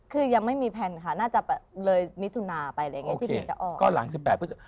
คือยังไม่มีแผ่นค่ะน่าจะเลยมิถุนาไปได้เลย